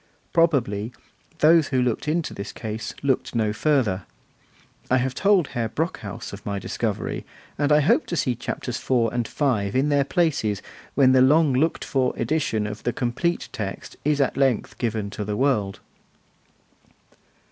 Probably, those who looked into this case looked no further. I have told Herr Brockhaus of my discovery, and I hope to see Chapters IV. and V. in their places when the long looked for edition of the complete text is at length given to the world.